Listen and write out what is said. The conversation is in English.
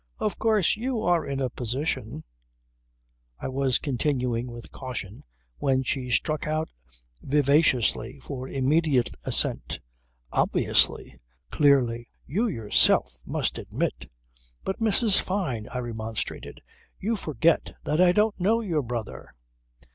"Of course you are in a position ..." I was continuing with caution when she struck out vivaciously for immediate assent. "Obviously! Clearly! You yourself must admit ..." "But, Mrs. Fyne," I remonstrated, "you forget that I don't know your brother."